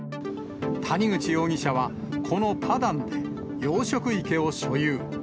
谷口容疑者は、このパダンに養殖池を所有。